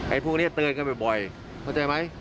พวกนี้เตือนกันบ่อยเข้าใจไหม